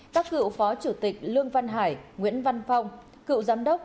các cựu phó chủ tịch lương văn hải nguyễn văn phong cựu giám đốc